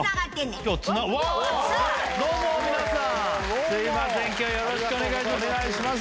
すいません今日よろしくお願いします。